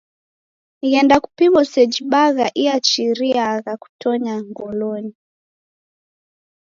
Ghenda kupimo seji bagha iachiriagha kutonya ngolonyi.